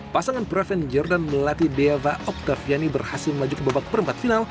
pasangan praven jordan melati deva octaviani berhasil melaju ke babak perempat final